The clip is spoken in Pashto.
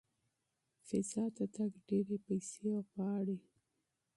فضا ته تګ ډېرې پیسې غواړي.